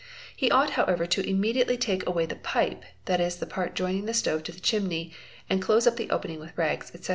He ought however to imme diately take away the pipe, that is the part joining the stove to the _ chimney, and close up the opening with rags, etc.